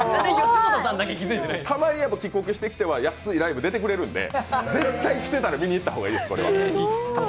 たまに帰国してきては安いライブ出てくれるんで、絶対来てたら見に行った方がいいです。